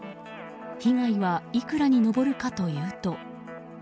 被害はいくらに上るかというと。